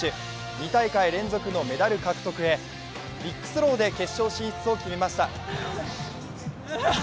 ２大会連続のメダル獲得へビッグスローで決勝進出を決めました。